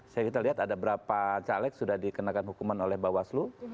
saya kita lihat ada berapa caleg sudah dikenakan hukuman oleh bawaslu